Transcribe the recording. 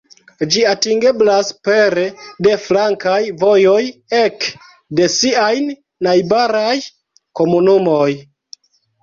Ĝi atingeblas pere de flankaj vojoj ek de siajn najbaraj komunumoj.